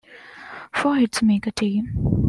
Four hits make a team.